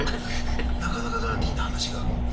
なかなかダーティーな話が。